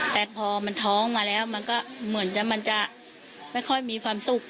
แต่พอมันท้องมาแล้วมันก็เหมือนมันจะไม่ค่อยมีความสุข